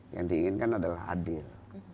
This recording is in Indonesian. yang diinginkan adalah adil